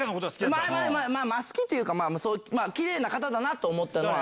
前、好きっていうか、きれいな方だなと思ったのは。